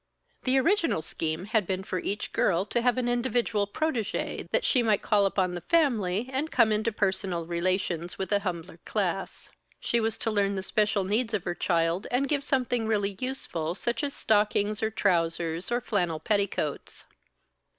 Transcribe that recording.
The original scheme had been for each girl to have an individual protégé, that she might call upon the family and come into personal relations with a humbler class. She was to learn the special needs of her child, and give something really useful, such as stockings or trousers or flannel petticoats.